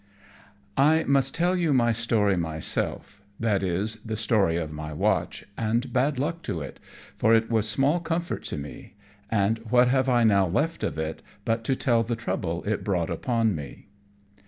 _ I must tell you my story myself, that is the story of my watch, and bad luck to it, for it was small comfort to me; and what have I now left of it, but to tell the trouble it brought upon me?